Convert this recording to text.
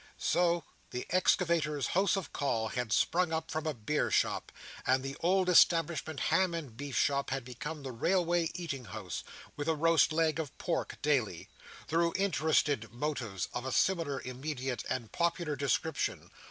So, the Excavators' House of Call had sprung up from a beer shop; and the old established Ham and Beef Shop had become the Railway Eating House, with a roast leg of pork daily, through interested motives of a similar immediate and popular description.